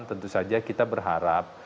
tentu saja kita berharap